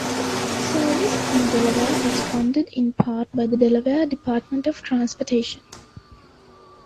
Service in Delaware is funded in part by the Delaware Department of Transportation.